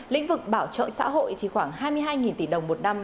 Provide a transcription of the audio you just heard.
lĩnh vực bảo trợ xã hội thì khoảng hai mươi hai tỷ đồng một năm